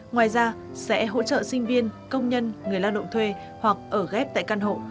ngoài ra sẽ hỗ trợ sinh viên công nhân người lao động thuê hoặc ở ghép tại căn hộ